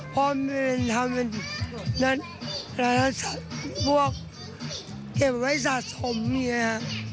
เพราะมันเป็นทำเป็นพวกเก็บไว้สะสมอย่างเงี้ย